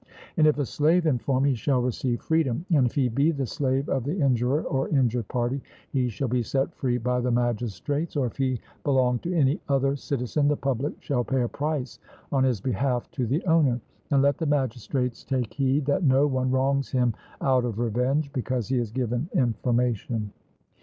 And if a slave inform, he shall receive freedom; and if he be the slave of the injurer or injured party, he shall be set free by the magistrates, or if he belong to any other citizen, the public shall pay a price on his behalf to the owner; and let the magistrates take heed that no one wrongs him out of revenge, because he has given information.